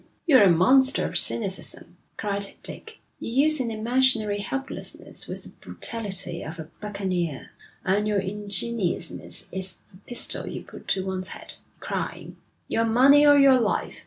'You're a monster of cynicism,' cried Dick. 'You use an imaginary helplessness with the brutality of a buccaneer, and your ingenuousness is a pistol you put to one's head, crying: your money or your life.'